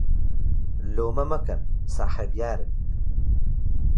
لۆمە مەکەن ساحەب یارن